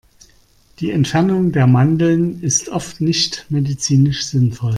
Die Entfernung der Mandeln ist oft nicht medizinisch sinnvoll.